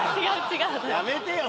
やめてよ